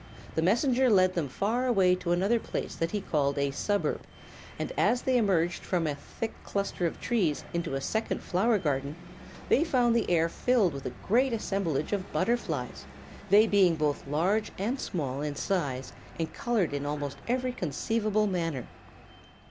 The Messenger led them far away to another place that he called a "suburb," and as they emerged from a thick cluster of trees into a second flower garden they found the air filled with a great assemblage of butterflies, they being both large and small in size and colored in almost every conceivable manner.